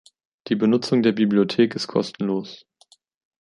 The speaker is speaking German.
Die Benutzung der Bibliothek ist kostenlos.